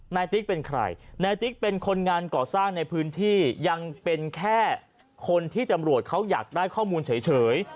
ติ๊กเป็นใครนายติ๊กเป็นคนงานก่อสร้างในพื้นที่ยังเป็นแค่คนที่ตำรวจเขาอยากได้ข้อมูลเฉย